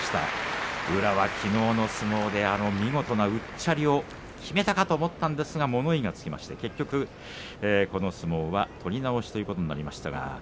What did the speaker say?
宇良は、きのうの相撲でうまくうっちゃりをきめたかと思ったんですが結局その相撲は取り直しということになりました。